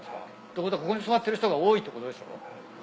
てことはここに座ってる人が多いってことでしょ？